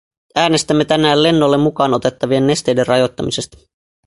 Äänestämme tänään lennolle mukaan otettavien nesteiden rajoittamisesta.